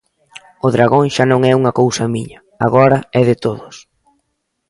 O dragón xa non é unha cousa miña, agora é de todos.